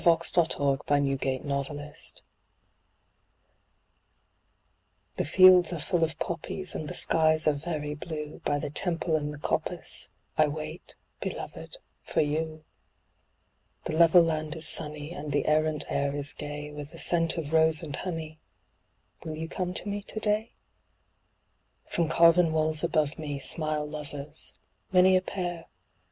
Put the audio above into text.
IN THE EARLY, PEARLY MORNING: SONG BY VALGOVIND $& "HE FIELDS ARE FULL OF POPPIES, and the skies are very blue, By the Temple in the coppice, I wait, Beloved, for you. The level land is sunny, and the errant air is gay, With scent of rose & honey; will you come to me to day? From carven walls above me, smile lovers; many a pair.